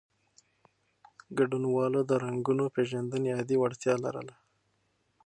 ګډونوالو د رنګونو پېژندنې عادي وړتیا لرله.